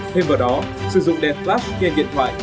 thêm vào đó sử dụng đèn flash nghe điện thoại